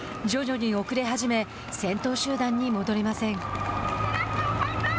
徐々に遅れ始め先頭集団に戻れません。